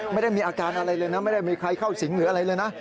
ไม่ได้มีอาการอะไรเลยนะไม่ได้มีใครเข้าสิงหรืออะไรเลยนะ